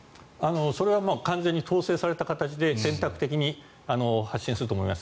それは完全に統制された形で選択的に発信すると思います。